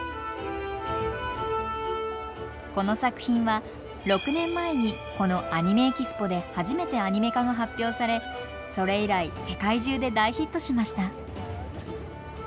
この作品は６年前にこのアニメ・エキスポで初めてアニメ化が発表されそれ以来世界中で大ヒットしました。